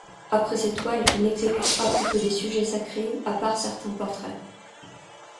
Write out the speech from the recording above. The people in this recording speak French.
Après cette toile il n'exécutera plus que des sujets sacrés, à part certains portraits.